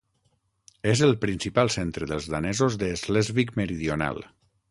És el principal centre dels danesos de Slesvig Meridional.